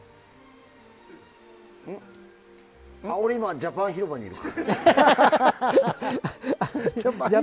俺、今、ジャパン広場にいる。